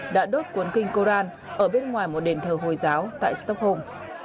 đã đốt cuốn kinh koran ở bên ngoài một đền thờ hồi giáo tại stockholm